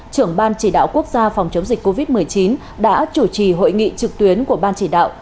trưởng ban chỉ đạo quốc gia phòng chống dịch covid một mươi chín đã chủ trì hội nghị trực tuyến của ban chỉ đạo